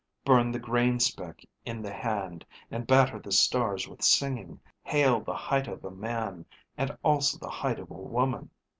_ _Burn the grain speck in the hand and batter the stars with singing. Hail the height of a man, and also the height of a woman.